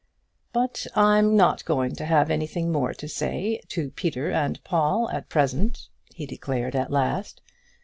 "But I'm not going to have anything more to say to Peter and Paul at present," he declared at last.